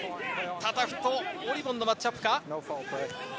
タタフとオリヴォンのマッチアップか。